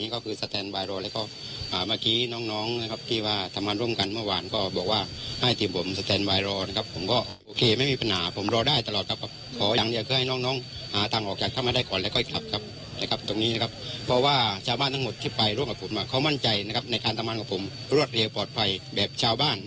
เขาก็มั่นใจในขั้นบันของผมรวดเรียกปลอดภัยแบบชาวบ้าน